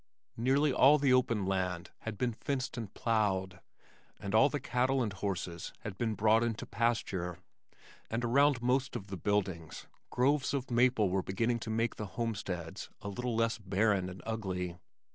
Nearly all the open land had been fenced and plowed, and all the cattle and horses had been brought into pasture, and around most of the buildings, groves of maples were beginning to make the homesteads a little less barren and ugly.